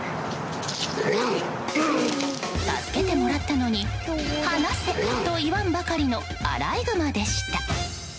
助けてもらったのに、放せ！と言わんばかりのアライグマでした。